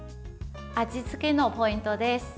味付けのポイントです。